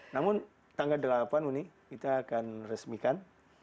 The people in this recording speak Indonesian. namun tanggal delapan ini kita akan resmikan